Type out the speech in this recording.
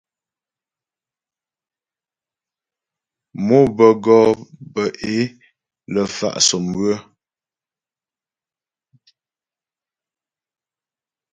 Mò bə́ go'o bə́ é lə fa' sɔ́mywə.